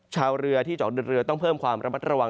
ชาวเรือที่เจาะเดินเรือต้องเพิ่มความระมัดระวัง